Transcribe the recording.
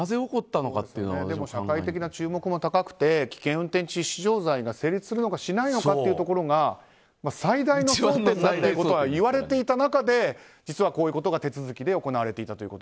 社会的な注目も高くて危険運転致死傷罪が成立するのかしないのかというところが最大の争点とは言われていた中で実はこういうことが手続きで行われていたと。